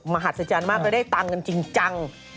มหัศจรรย์มากไปได้ตังค์กันจริงจัง